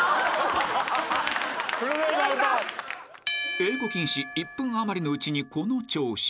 ［英語禁止１分余りのうちにこの調子。